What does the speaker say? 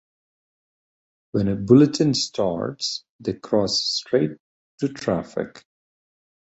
When a bulletin starts they cross straight to traffic.